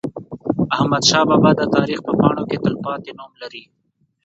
احمدشاه بابا د تاریخ په پاڼو کې تلپاتې نوم لري.